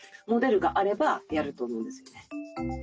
モデルがあればやると思うんですね。